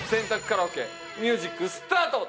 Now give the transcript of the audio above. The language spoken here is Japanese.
カラオケミュージックスタート！